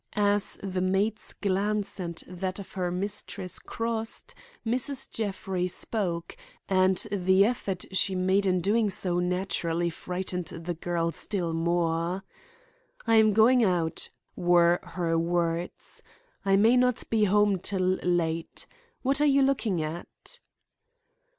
As the maid's glance and that of her mistress crossed, Mrs. Jeffrey spoke, and the effort she made in doing so naturally frightened the girl still more. "I am going out," were her words. "I may not be home till late—What are you looking at?"